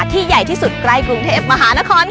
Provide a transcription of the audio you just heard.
ดิฉันใบตองรัชตวรรณโธชนุกรุณค่ะ